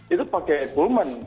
itu pakai pullman